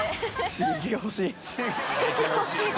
刺激がほしい顔。